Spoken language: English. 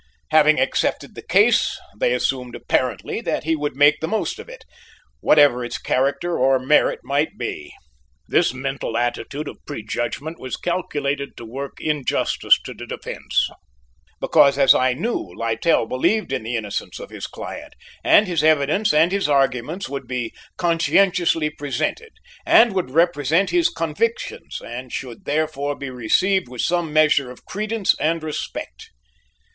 Having accepted the case, they assumed apparently that he would make the most of it, whatever its character or merit might be. This mental attitude of prejudgment was calculated to work injustice to the defence, because, as I knew, Littell believed in the innocence of his client, and his evidence and his arguments would be conscientiously presented and would represent his convictions and should therefore be received with some measure of credence and respect.